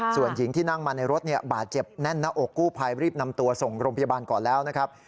ส่วนหญิงที่นั่งมาในรถบาดเจ็บแน่นหน้าอกกู้ภัยรีบนำตัวส่งโรงพยาบาลก่อนแล้วนะครับ